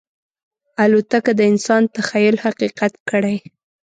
الوتکه د انسان تخیل حقیقت کړی.